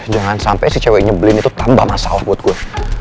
jangan sampai si cewek nyeblin itu tambah masalah buat gue